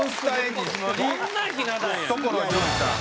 どんなひな壇やねん！